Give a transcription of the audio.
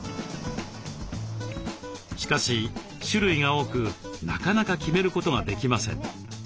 しかし種類が多くなかなか決めることができません。